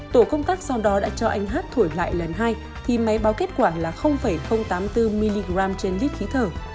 tổ công tác sau đó đã cho anh hát thổi lại lần hai thì máy báo kết quả là tám mươi bốn mg trên lít khí thở